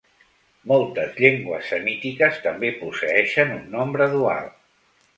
Moltes llengües semítiques també posseeixen un nombre dual.